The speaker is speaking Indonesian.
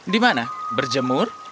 di mana berjemur